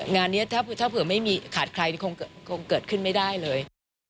งานนี้ถ้าเผื่อไม่มีขาดใครคงเกิดขึ้นไม่ได้เลย